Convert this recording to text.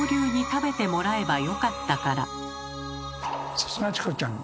さすがチコちゃん！